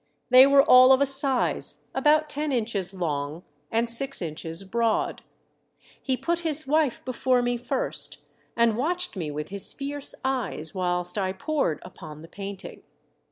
They were all of a size, about ten inches long and six inches broad. He put his wife before me first and watched me with his fierce eyes whilst I pored upon tne paint ing.